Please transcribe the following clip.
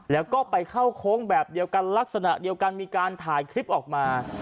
แล้วก็ไปเข้าโค้งแบบเดียวกันลักษณะเดียวกันมีการถ่ายคลิปออกมา